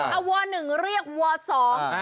เอาวัวหนึ่งเรียกวอสอง